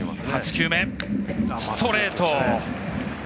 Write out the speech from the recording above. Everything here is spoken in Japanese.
８球目はストレート。